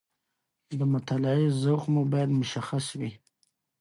د مطالعې ذوق مو باید مشخص وي.